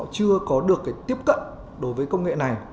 chưa có được tiếp cận đối với công nghệ này